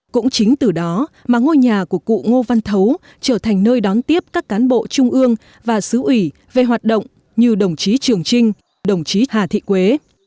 cũng chính từ đó mà ngôi nhà của cụ ngô văn thấu trở thành nơi đón tiếp các cán bộ trung ương và xứ ủy về hoạt động như đồng chí trường trinh đồng chí hà thị quế